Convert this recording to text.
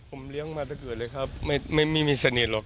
ผมเลี้ยงมาแต่เกิดเลยครับไม่มีสนิทหรอก